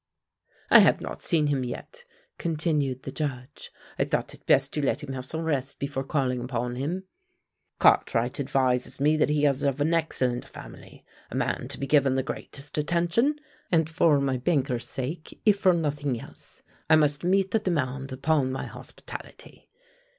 "I have not seen him yet," continued the Judge; "I thought it best to let him have some rest before calling upon him. Cartwright advises me that he is of an excellent family a man to be given the greatest attention, and for my banker's sake, if for nothing else, I must meet the demand upon my hospitality.